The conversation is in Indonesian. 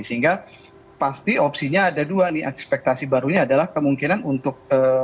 sehingga pasti opsinya ada dua nih ekspektasi barunya adalah kemungkinan untuk